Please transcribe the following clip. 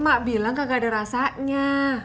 mak bilang gak ada rasanya